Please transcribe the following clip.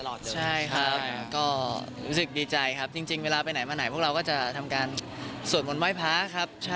ก็รู้สึกดีใจครับจริงเวลาไปไหนมาไหนพวกเราก็จะทำการสวดหมดไว้พักครับ